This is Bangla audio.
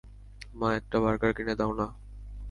মা, একটা বার্গার কিনে দাও না?